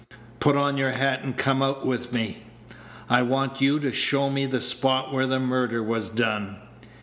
"Put on your hat, and come out with me. I want you to show me the spot where the murder was done."